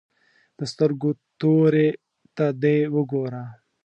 د سترګو تورې ته دې وګوره.